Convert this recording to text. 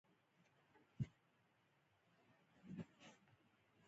د عضلې د حجرو په دننه کې پروتین ډوله نري تارونه شته.